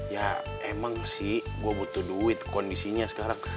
ya emang sih gue butuh duit kondisinya sekarang